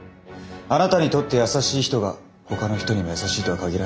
あなたにとって優しい人がほかの人にも優しいとは限らない。